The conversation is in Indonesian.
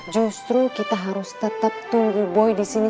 justru kita harus tetep tunggu boy disini